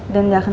dan gak akan